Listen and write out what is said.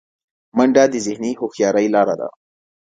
منډه د ذهني هوښیارۍ لاره ده